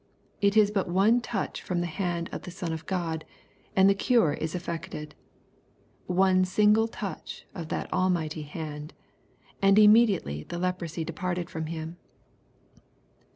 It is but one touch from the hand of the Son of God, and the cure is effected. One single touch of that almighty hand !" And im mediately the leprosy departed from him."